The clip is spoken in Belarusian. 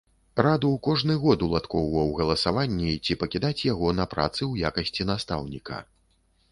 Раду кожны год уладкоўваў галасаванні, ці пакідаць яго на працы ў якасці настаўніка.